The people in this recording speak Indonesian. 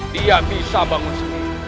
dia bisa bangun sendiri